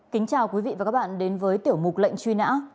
kính chào quý vị và các bạn đến với tiểu mục lệnh truy nã